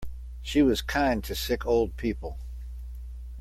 She was kind to sick old people.